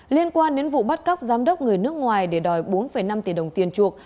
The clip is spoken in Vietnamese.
liên quan đến vụ bắt cóc giám đốc người nước ngoài để đòi bốn năm tỷ đồng tiền chuộc